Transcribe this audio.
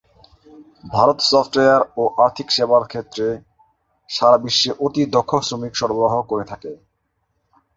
Bharat software ও আর্থিক সেবার ক্ষেত্রে সারা বিশ্বে অতি-দক্ষ শ্রমিক সরবরাহ করে থাকে।